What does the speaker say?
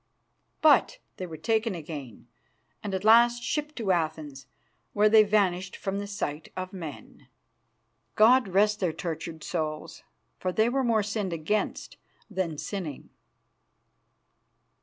But they were taken again, and at last shipped to Athens, where they vanished from the sight of men. God rest their tortured souls, for they were more sinned against than sinning.